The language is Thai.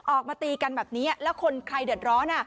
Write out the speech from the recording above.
ออกมาตีกันแบบนี้แล้วคนใครเดือดร้อน